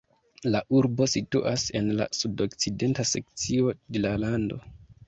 La urbo situas en la sudokcidenta sekcio de la lando.